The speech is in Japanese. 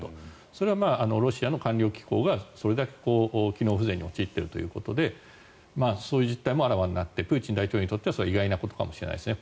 それはロシアの官僚機構がそれだけ機能不全に陥っているということでそういう実態もあらわになってプーチン大統領にとっては意外なことかもしれないですね。